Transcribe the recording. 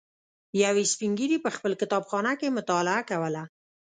یوه سپین ږیري په خپل کتابخانه کې مطالعه کوله.